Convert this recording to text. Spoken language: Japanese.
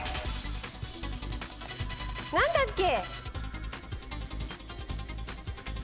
何だっけ？